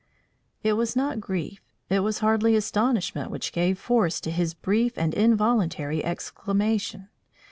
It was not grief, it was hardly astonishment which gave force to this brief and involuntary exclamation.